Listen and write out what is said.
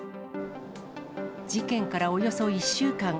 事件からおよそ１週間。